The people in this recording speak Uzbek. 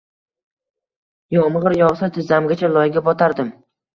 Yomg’ir yog’sa, tizzamgacha loyga botardim.